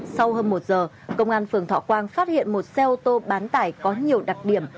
sau hơn một giờ công an phường thọ quang phát hiện một xe ô tô bán tải có nhiều đặc điểm